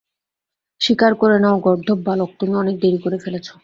স্বীকার করে নাও, গর্দভ বালক, তুমি অনেক দেরি করে ফেলেছ।